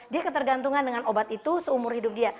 dia ketergantungan dengan obat itu seumur hidup dia